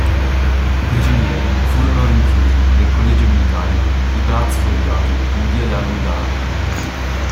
I prigionieri furono rinchiusi nel Collegio Militare di Palazzo Salviati in via della Lungara.